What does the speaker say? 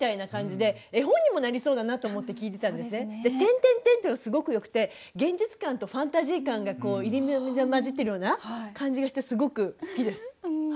で「∴∴∴」ってのがすごくよくて現実感とファンタジー感が入り交じってるような感じがしてすごく好きです。